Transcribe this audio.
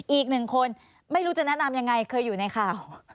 อีกหนึ่งคนไม่รู้จะแนะนำยังไงเคยอยู่ในข่าว